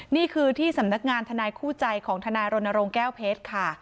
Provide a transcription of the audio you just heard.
นี่คือที่สำนักงานทนายคู่ใจของทนายรณรงค์แก้วเพชรค่ะ